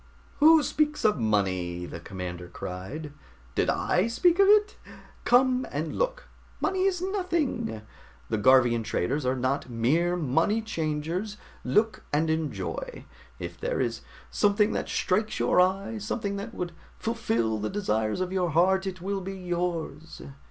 "Who speaks of money?" the commander cried. "Did I speak of it? Come and look! Money is nothing. The Garvian traders are not mere money changers. Look and enjoy; if there is something that strikes your eye, something that would fulfill the desires of your heart, it will be yours."